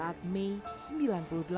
sebagai representasi warga negara indonesia